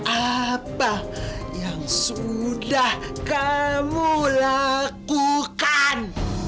apa yang sudah kamu lakukan